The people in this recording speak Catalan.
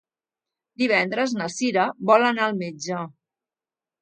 Divendres na Cira vol anar al metge.